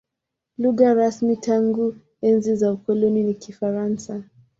Lugha rasmi tangu enzi za ukoloni ni Kifaransa.